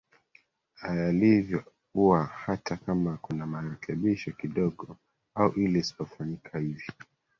a yalivyo ua hata kama kunamarekebisho kidogo au ile isipofanyika hivi